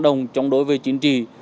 các đối tượng chống đối về chiến trì